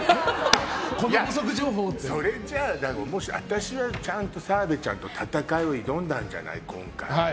それじゃああたしは澤部ちゃんと戦いを挑んだんじゃない、今回。